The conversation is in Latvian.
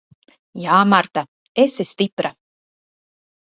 Jā, Marta. Esi stipra.